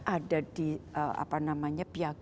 ada di apa namanya pihak